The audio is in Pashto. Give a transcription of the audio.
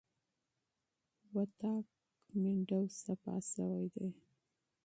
پخلنځی پاک شوی دی.